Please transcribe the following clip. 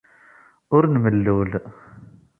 Ur nmellul.